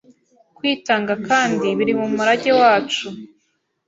kwitanga kandi biri mu murage wacu